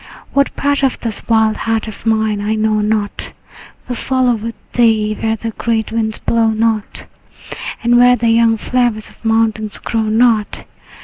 What part of this wild heart of mine I know not Will follow with thee where the great winds blow not, And where the young flowers of the mountain grow not.